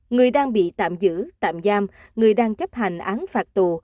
người đang bị tạm giữ tạm giam người đang chấp hành án phạt tù